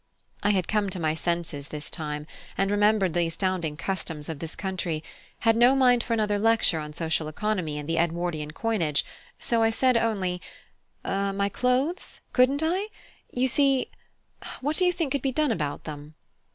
I had come to my senses by this time, and remembering the astounding customs of this country, had no mind for another lecture on social economy and the Edwardian coinage; so I said only "My clothes Couldn't I? You see What do think could be done about them?"